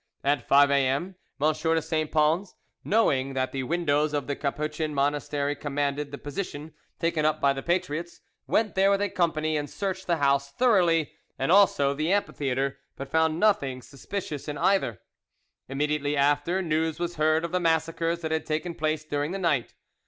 At five A.M. M. de St. Pons, knowing that the windows of the Capuchin monastery commanded the position taken up by the patriots, went there with a company and searched the house thoroughly, and also the Amphitheatre, but found nothing suspicious in either. Immediately after, news was heard of the massacres that had taken place during the night.